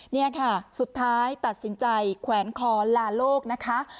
นี่ค่ะสุดท้ายตัดสินใจแขวนคอลาโลกนะคะ